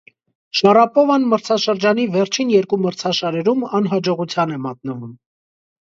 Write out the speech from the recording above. Շարապովան մրցաշրջանի վերջին երկու մրցաշարերում անհաջողության է մատնվում։